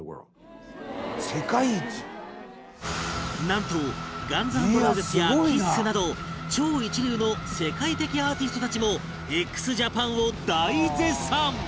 なんとガンズ・アンド・ローゼズや ＫＩＳＳ など超一流の世界的アーティストたちも ＸＪＡＰＡＮ を大絶賛